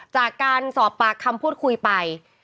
จากการสอบปากคำพูดคุยไป